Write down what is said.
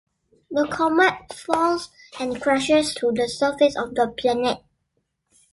The comet falls and crashes to the surface of the planet.